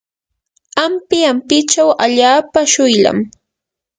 ampi ampichaw allaapa shuylam.